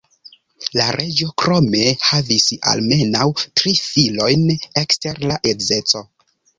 La reĝo krome havis almenaŭ tri filojn ekster la edzeco.